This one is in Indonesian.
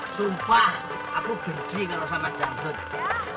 sumpah aku benci kalau sama dangdut